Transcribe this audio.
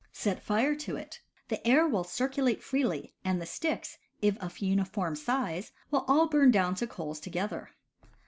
Set fire to it. The air will circulate freely, and the sticks, if of uniform size, will all burn down to coals together.